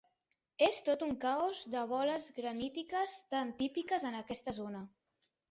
És tot un caos de boles granítiques, tan típiques en aquesta zona.